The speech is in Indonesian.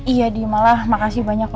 iya di malah makasih banyak